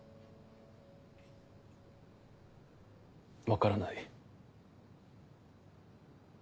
分からない。